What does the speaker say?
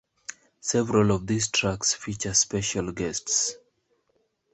Several of these tracks feature special guests.